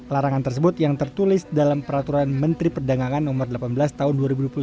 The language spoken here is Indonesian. larangan tersebut yang tertulis dalam peraturan menteri perdagangan no delapan belas tahun dua ribu dua puluh satu